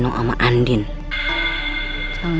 terus lihat dong ngapain gue sampai selesai